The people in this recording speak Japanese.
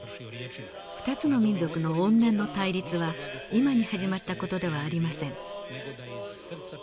２つの民族の怨念の対立は今に始まった事ではありません。